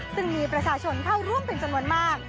ซึ่งมีประชาชนเข้าร่วมเป็นจำนวนมาก